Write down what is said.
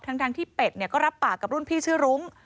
ทั้งที่เป็ดก็รับปากกับรุ่นพี่ชื่อรุ้ง